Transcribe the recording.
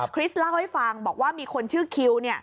คริสเล่าให้ฟังบอกว่ามีคนชื่อคิว